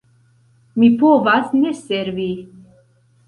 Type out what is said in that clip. Mi povas ne servi.